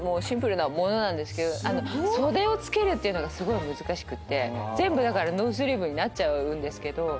シンプルな物なんですけど袖を付けるっていうのがすごい難しくて全部ノースリーブになっちゃうんですけど。